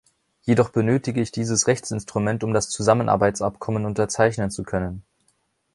Jedoch benötige ich dieses Rechtsinstrument, um das Zusammenarbeitsabkommen unterzeichnen zu können.